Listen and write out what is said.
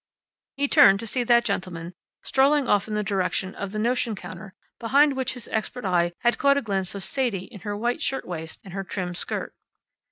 He turned to see that gentleman strolling off in the direction of the notion counter behind which his expert eye had caught a glimpse of Sadie in her white shirtwaist and her trim skirt.